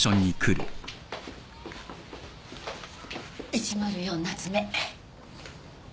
１０４夏目。